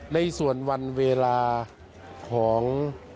ในส่วนวันเวลาของ